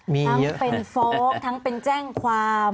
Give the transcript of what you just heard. ทั้งเป็นฟ้องทั้งเป็นแจ้งความ